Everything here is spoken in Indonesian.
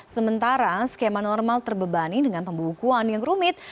sementara skema normal terbebani dengan pembukuan yang rumit